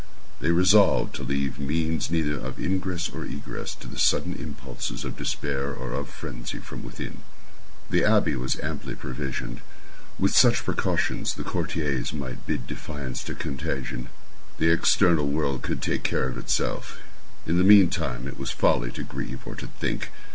They resolved to leave means neither of ingress or egress to the sudden impulses of despair or of frenzy from within. The abbey was amply provisioned. With such precautions the courtiers might bid defiance to contagion. The external world could take care of itself. In the meantime it was folly to grieve, or to think.